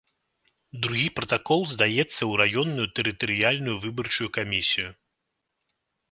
Другі пратакол здаецца ў раённую тэрытарыяльную выбарчую камісію.